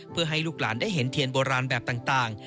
เพื่อให้ลูกหลานได้เห็นเทียนโบราณแบบต่าง